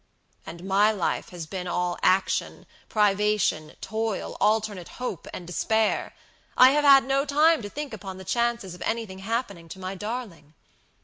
"And my life has been all action, privation, toil, alternate hope and despair; I have had no time to think upon the chances of anything happening to my darling.